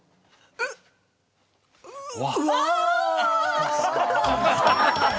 うわ！